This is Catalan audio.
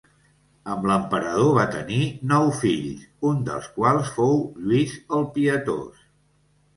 Amb l'emperador va tenir nou fills un dels quals fou Lluís el Pietós.